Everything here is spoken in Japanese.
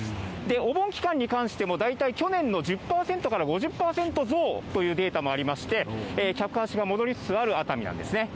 お盆期間に関しても、大体去年の１０％から５０％増というデータもありまして、客足が戻りつつある熱海なんですね。